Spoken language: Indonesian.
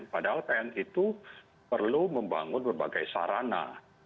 padahal pn itu perlu membangun berbagai sarana